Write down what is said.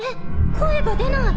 声が出ない！？